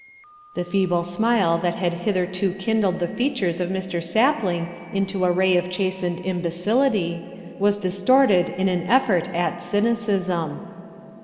The feeble smile that had hitherto kindled the features of Mr. Sapling into a ray of chastened imbecility, was distorted in an effort at cynicism.